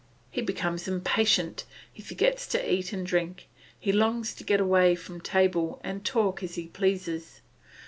He becomes impatient, he forgets to eat and drink, he longs to get away from table and talk as he pleases.